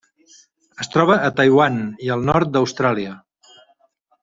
Es troba a Taiwan i al nord d'Austràlia.